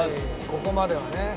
ここまではね。